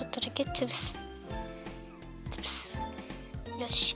よし。